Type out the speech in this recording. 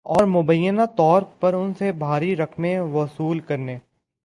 اور مبینہ طور پر ان سے بھاری رقمیں وصول کرنے